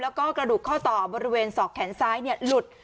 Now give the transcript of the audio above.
แล้วก็กระดูกข้อต่อบริเวณศอกแขนซ้ายหลุด